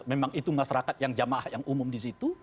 memang itu masyarakat yang jamaah yang umum disitu